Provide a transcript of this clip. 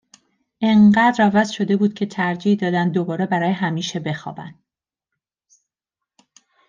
اِنقدر عوض شده بود که ترجیح دادن دوباره برای همیشه بخوابن